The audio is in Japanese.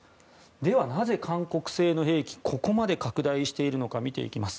では、なぜ韓国製の兵器がここまで拡大しているのか見ていきます。